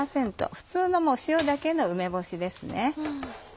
普通の塩だけの梅干しですね。